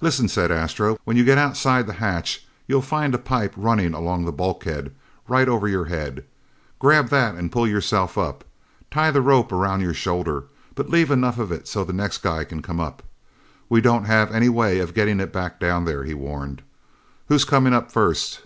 "Listen," said Astro, "when you get outside the hatch, you'll find a pipe running along the bulkhead right over your head. Grab that and pull yourself up. Tie the rope around your shoulder, but leave enough of it so the next guy can come up. We don't have any way of getting it back down there!" he warned. "Who's coming up first?"